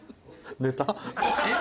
寝た？